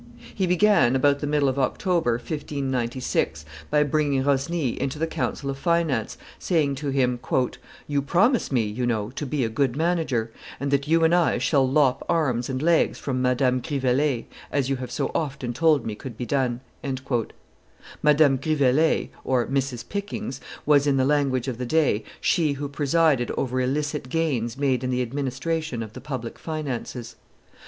He began, about the middle of October, 1596, by bringing Rosny into the council of finance, saying to him, "You promise me, you know, to be a good manager, and that you and I shall lop arms and legs from Madame Grivelee, as you have so often told me could be done." Madame Grivelee (Mrs. Pickings) was, in the language of the day, she who presided over illicit gains made in the administration of the public finances.